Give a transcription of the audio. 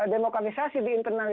demokrasi di internal